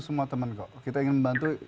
semua teman kok kita ingin membantu